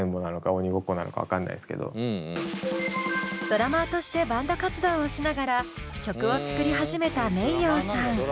ドラマーとしてバンド活動をしながら曲を作り始めたｍｅｉｙｏさん。